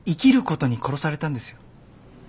ことに殺されたんですよ。